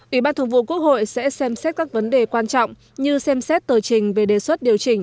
ủy ban thường vụ quốc hội sẽ xem xét các vấn đề quan trọng như xem xét tờ trình về đề xuất điều chỉnh